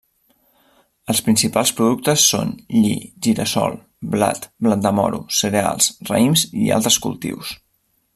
Els principals productes són: lli, gira-sol, blat, blat de moro, cereals, raïms i altres cultius.